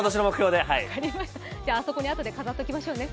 ではあそこにあとで飾っておきましょうかね。